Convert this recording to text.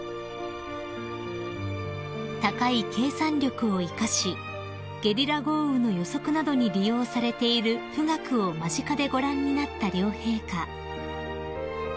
［高い計算力を生かしゲリラ豪雨の予測などに利用されている富岳を間近でご覧になった両陛下］